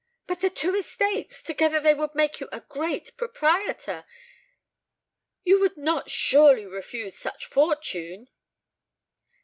"But the two estates! together they would make you a great proprietor. You would not surely refuse such fortune?"